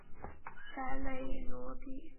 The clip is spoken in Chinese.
在内罗毕完成高中及高中以前阶段的教育。